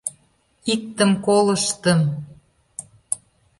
Иктым колыштым